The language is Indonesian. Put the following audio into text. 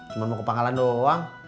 cuman mau ke pangalan doang